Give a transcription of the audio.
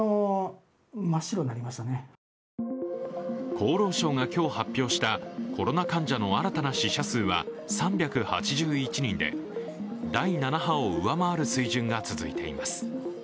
厚労省が今日発表した新たな死者数は３８１人で第７波を上回る水準が続いています